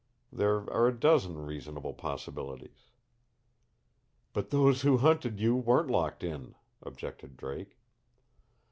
There are a dozen reasonable possibilities." "But those who hunted you weren't locked in," objected Drake.